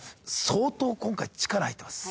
相当今回力入ってます。